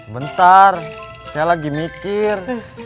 bentar saya lagi mikir